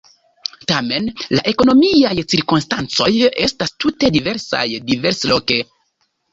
Tamen la ekonomiaj cirkonstancoj estas tute diversaj diversloke.